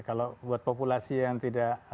kalau buat populasi yang tidak